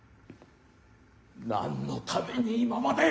何のために今まで。